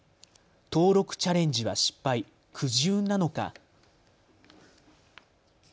登録チャレンジは失敗、くじ運なのか。